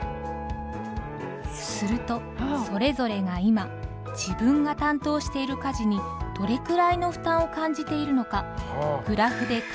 するとそれぞれが今自分が担当している家事にどれくらいの負担を感じているのかグラフで可視化してくれます。